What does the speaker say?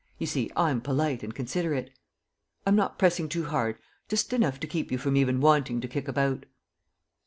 You see, I'm polite and considerate. ... I'm not pressing too hard ... just enough to keep you from even wanting to kick about."